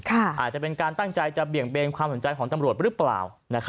อาจจะเป็นการตั้งใจจะเบี่ยงเบนความสนใจของตำรวจหรือเปล่า